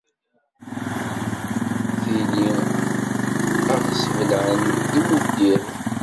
Tili a ɣ-sbelɛen d imuddiren.